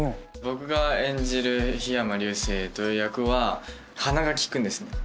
僕が演じる桧山竜星という役は鼻が利くんですね